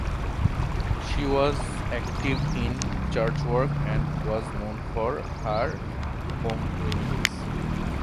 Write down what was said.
She was active in church work and was known for her home remedies.